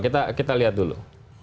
kita lihat dulu